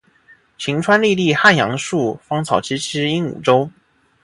晴川历历汉阳树，芳草萋萋鹦鹉洲。